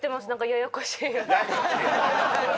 ややこしいヤツ